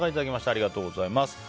ありがとうございます。